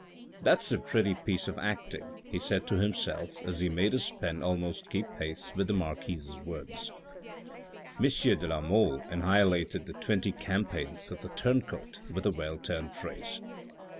"That's a pretty piece of acting," he said to himself, as he made his pen almost keep pace with the marquis' words. M. de la Mole annihilated the twenty campaigns of the turncoat with a well turned phrase.